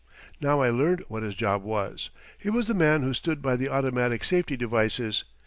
Now I learned what his job was. He was the man who stood by the automatic safety devices.